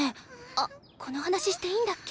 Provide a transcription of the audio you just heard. あっこの話していいんだっけ？